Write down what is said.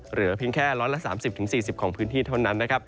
เหลือเพียงแค่ล้อนละ๓๐๔๐องศาลถึงพื้นที่เท่านั้น